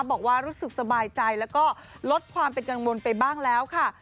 บอกว่ารู้สึกสบายใจแล้วก็ลดความเป็นกังวลไปบ้างแล้วค่ะ